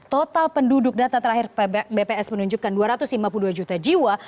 total penduduk data terakhir bps menunjukkan dua ratus lima puluh dua juta jiwa